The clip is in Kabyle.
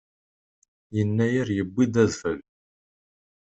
Yennayer yuwi-d adfel.